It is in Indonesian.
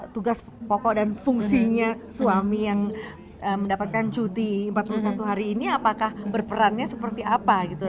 tugas pokok dan fungsinya suami yang mendapatkan cuti empat puluh satu hari ini apakah berperannya seperti apa gitu